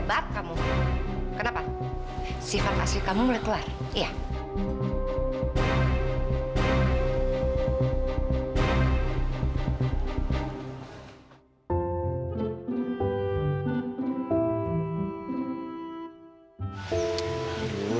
atau siapalah nama lu